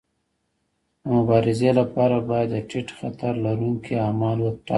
د مبارزې لپاره باید د ټیټ خطر لرونکي اعمال وټاکل شي.